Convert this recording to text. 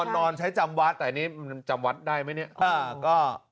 นอนใช้จำวัดแต่อันนี้มันจำวัดได้ไหมเนี่ย